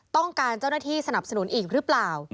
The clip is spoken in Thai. เจ้าหน้าที่สนับสนุนอีกหรือเปล่า